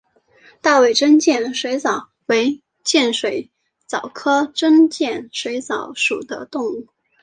大尾真剑水蚤为剑水蚤科真剑水蚤属的动物。